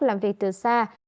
làm việc từ xa